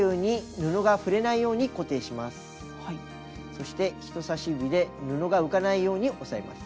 そして人さし指で布が浮かないように押さえます。